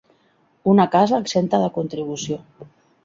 Una casa exempta de contribució.